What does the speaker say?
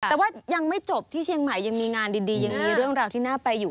แต่ว่ายังไม่จบที่เชียงใหม่ยังมีงานดียังมีเรื่องราวที่น่าไปอยู่